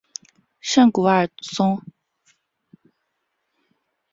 圣古尔松。